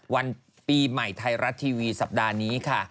วันปีใหม่ไทยรัฐทีวีสัปดาห์นี้ค่ะ